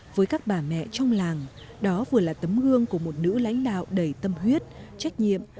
với các bà mẹ trong làng đó vừa là tấm gương của một nữ lãnh đạo đầy tâm huyết trách nhiệm